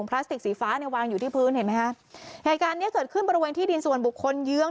เปลี่ยนเครื่องแบบ